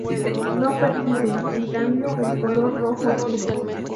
No perciben, en cambio, el color rojo puro.